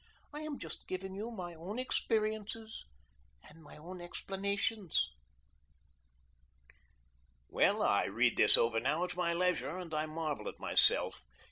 I am just giving you my own experiences and my own explanations." Well, I read this over now at my leisure, and I marvel at myself!